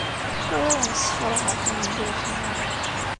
Ur awen-ssekṛaheɣ tameddurt-nwen.